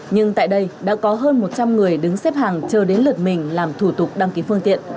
nhưng tại đây đã có hơn một trăm linh người đứng xếp hàng chờ đến lượt mình làm thủ tục đăng ký phương tiện